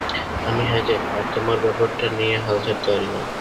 আমি হ্যাজেল আর তোমার ব্যাপারটা নিয়ে হাল ছাড়তে পারি না।